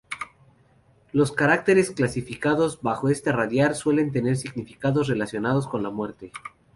Los caracteres clasificados bajo este radical suelen tener significados relacionados con la muerte.